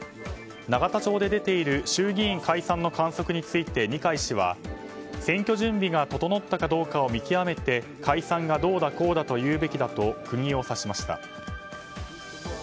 永田町で出ている衆議院解散の観測について二階氏は、選挙準備が整ったかどうかを見極めて解散がどうだこうだと言うべきだと釘を刺しました。